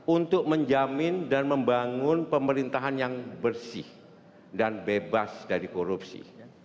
untuk menjamin dan membangun pemerintahan yang bersih dan bebas dari korupsi